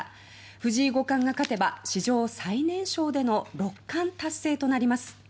藤井五冠が勝てば史上最年少での六冠達成となります。